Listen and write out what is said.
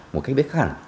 một cách biết khác hẳn